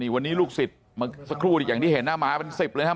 วันนี้ลูกสิบสักครู่อย่างที่เห็นหน้ามาเป็น๑๐เลยนะฮะ